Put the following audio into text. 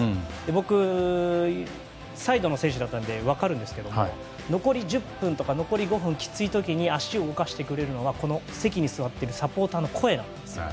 僕、サイドの選手だったので分かるんですが残り１０分とか残り５分とかきつい時に足を動かしてくれるのは席に座っているサポーターの声なんです。